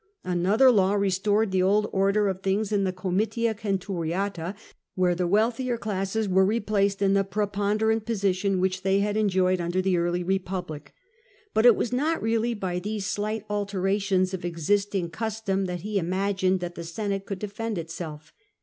Another law restored the old order of things in the Cumitia Centuriata, where the wealthier classes were replaced in the preponderant position which they had enjoyed under the early Bepublic. But it was not really by these slight alterations of existing custom that he imagined that the Senate could defend itself.